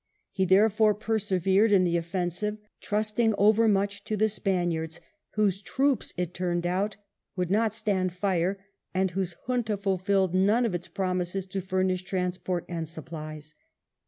He therefore persevered in the offensive, trusting over much to the Spaniards, whose troops, it turned lout, would not stand fire, and whose Junta fulfilled none of its promises to furnish transport and supplies.